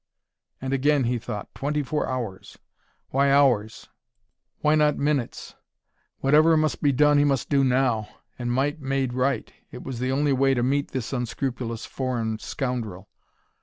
And again he thought: "Twenty four hours!... Why hours? Why not minutes?... Whatever must be done he must do now. And might made right: it was the only way to meet this unscrupulous foreign scoundrel."